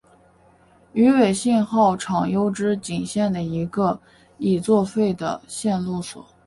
羽尾信号场筱之井线的一个已废止的线路所。